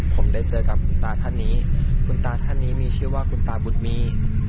ผมได้เจอกับคุณตาท่านนี้คุณตาท่านนี้มีชื่อว่าคุณตาบุตรมี